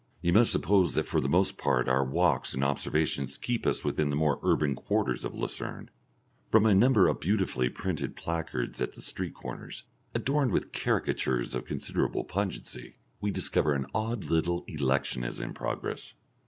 You must suppose that for the most part our walks and observations keep us within the more urban quarters of Lucerne. From a number of beautifully printed placards at the street corners, adorned with caricatures of considerable pungency, we discover an odd little election is in progress.